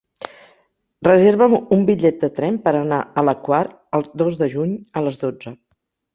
Reserva'm un bitllet de tren per anar a la Quar el dos de juny a les dotze.